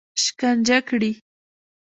شکنجه کړي.